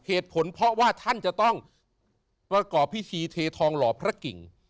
เหตุผลเพราะว่าท่านจะต้องประกอบพิธีเททองหล่อพระกิ่ง